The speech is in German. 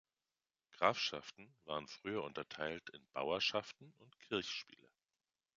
Die Grafschaften waren früher unterteilt in „Bauerschaften“ und „Kirchspiele“.